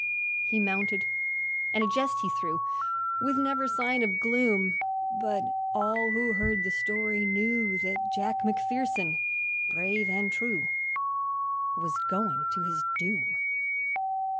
He mounted, and a jest he threw, With never sign of gloom; But all who heard the story knew That Jack Macpherson, brave and true, Was going to his doom.